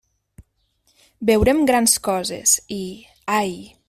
Veurem grans coses, i... ai!